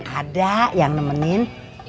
ada yang nemenin